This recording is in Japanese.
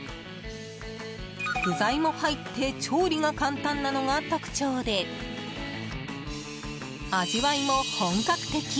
具材も入って調理が簡単なのが特徴で味わいも本格的。